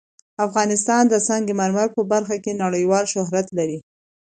افغانستان د سنگ مرمر په برخه کې نړیوال شهرت لري.